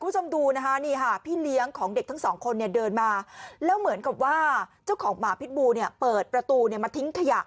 คุณผู้ชมดูนะคะนี่ค่ะพี่เลี้ยงของเด็กทั้งสองคนเนี่ยเดินมาแล้วเหมือนกับว่าเจ้าของหมาพิษบูเนี่ยเปิดประตูเนี่ยมาทิ้งขยะ